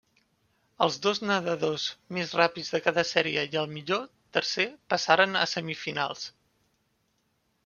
Els dos nedadors més ràpids de cada sèrie i el millor tercer passaren a semifinals.